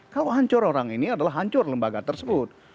kalau hancur orang ini adalah hancur lembaga tersebut